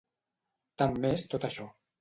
Tant m'és tot això.